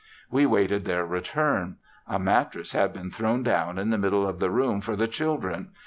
We waited their return. A mattress had been thrown down in the middle of the room for the children.